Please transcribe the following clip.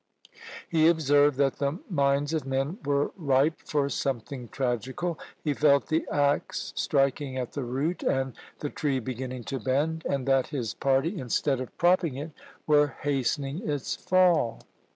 He observed that the minds of men were ripe for something tragical; he felt the axe striking at the root, and the tree beginning to bend, and that his party, instead of propping it, were hastening its fall.